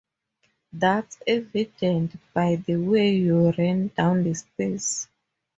That's evident, by the way you ran down the stairs.